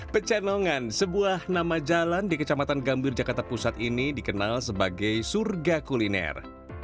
pecenongan sebuah nama jalan di kecamatan gambir jakarta pusat ini dikenal sebagai surga kuliner